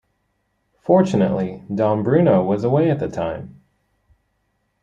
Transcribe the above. Fortunately, Dom Bruno was away at the time.